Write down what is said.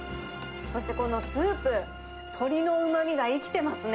そしてこのスープ、鶏のうまみが生きてますね。